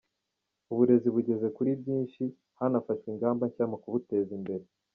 uburezi bugeze kuri byinshi hanafashwe ingamba nshya mu kubuteza imbere